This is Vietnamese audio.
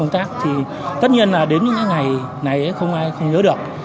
vào công tác thì tất nhiên là đến những cái ngày này không ai không nhớ được